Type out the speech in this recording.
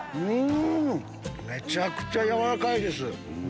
めちゃくちゃ軟らかいです！